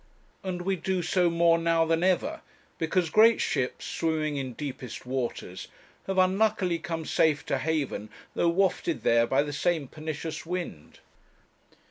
And we do so more now than ever, because great ships, swimming in deepest waters, have unluckily come safe to haven though wafted there by the same pernicious wind.